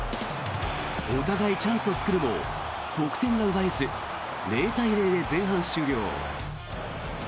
お互いチャンスを作るも得点が奪えず０対０で前半終了。